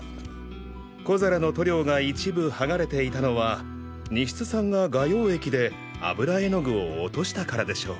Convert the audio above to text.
小皿の塗料が一部はがれていたのは西津さんが画溶液で油絵の具をおとしたからでしょう。